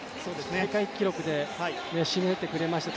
大会記録で締めてくれました。